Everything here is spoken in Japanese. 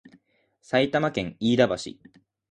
埼玉県飯田橋